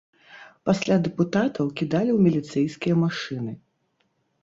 Пасля дэпутатаў кідалі ў міліцэйскія машыны.